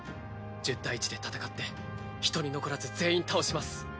１０対１で戦って１人残らず全員倒します。